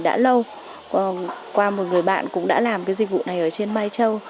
đã lâu qua một người bạn cũng đã làm cái dịch vụ này ở trên mai châu